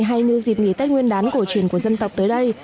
hay như dịp nghỉ tết nguyên đán cổ truyền của dân tộc tới đây